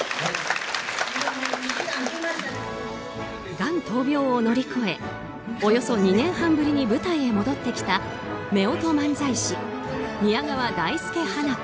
がん闘病を乗り越えおよそ２年半ぶりに舞台へ戻ってきた夫婦漫才師、宮川大助・花子。